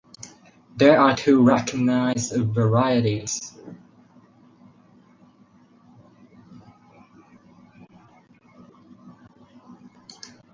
There are two recognised varieties.